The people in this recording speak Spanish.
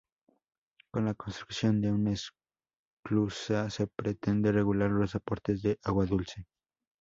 Con la construcción de una esclusa se pretende regular los aportes de agua dulce.